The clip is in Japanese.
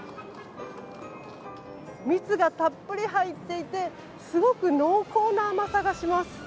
蜜がたっぷり入っていてすごく濃厚な甘さがします。